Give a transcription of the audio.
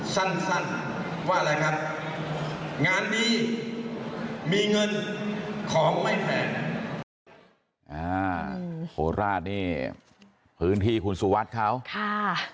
โฆษฎราชนี่พื้นที่คุณสุวัสดิ์เขาค่ะ